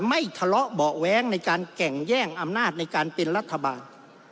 ไม่ทะเลาะเบาะแว้งในการแก่งแย่งอำนาจในการเป็นรัฐบาล